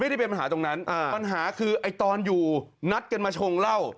ไม่ได้เป็นปัญหาตรงนั้นปัญหาคือไอ้ตอนอยู่นัดกันมาชงเหล้า